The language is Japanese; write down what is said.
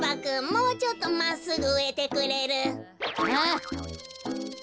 もうちょっとまっすぐうえてくれる？は？